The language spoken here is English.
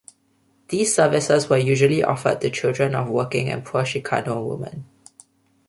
These services were usually offered to children of working and poor Chicano women.